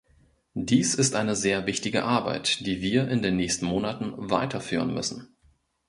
Dies ist eine sehr wichtige Arbeit, die wir in den nächsten Monaten weiterführen müssen.